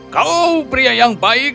kau pria yang baik